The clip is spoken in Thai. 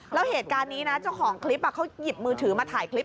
แล้วเหตุการณ์นี้นะเจ้าของคลิปเขาหยิบมือถือมาถ่ายคลิป